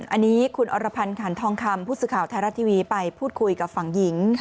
อันนี้คุณอรพันธ์ขันทองคำผู้สื่อข่าวไทยรัฐทีวีไปพูดคุยกับฝั่งหญิง